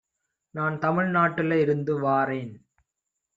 நான் தமிழ்நாட்டுல இருந்து வாரேன்.